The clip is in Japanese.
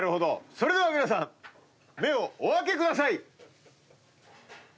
それでは皆さん目をお開けください。